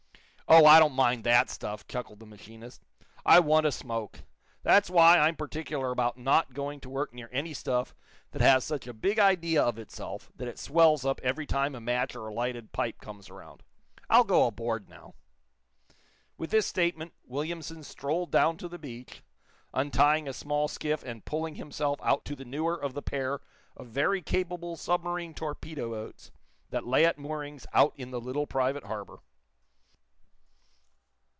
"Oh, I don't mind that stuff,". chuckled the machinist. "I want a smoke. That's why I'm particular about not going to work near any stuff that has such a big idea of itself that it swells up every time a match or a lighted pipe comes around. I'll go aboard now." With this statement, Williamson strolled down to the beach, untying a small skiff and pulling himself out to the newer of the pair of very capable submarine torpedo boats that lay at moorings out in the little private harbor.